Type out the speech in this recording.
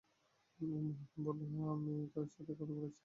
উম্মে হাকীম বলল, হ্যাঁ, আমিই তার সাথে কথা বলেছি।